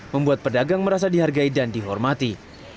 membuat pedagang merasa dihargai dan dihormati